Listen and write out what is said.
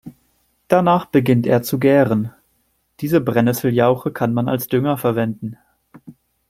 Danach beginnt er zu gären. Diese Brennesseljauche kann man als Dünger verwenden.